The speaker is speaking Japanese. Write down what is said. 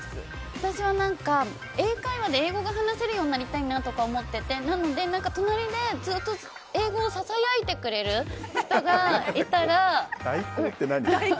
私は英会話で英語が話せるようになりたいなと思っていてなので、隣でずっと英語をささやいてくれる代行って何？